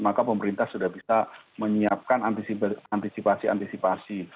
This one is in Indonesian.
maka pemerintah sudah bisa menyiapkan antisipasi antisipasi